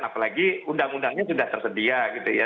apalagi undang undangnya sudah tersedia gitu ya